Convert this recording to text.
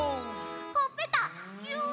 ほっぺたぎゅう！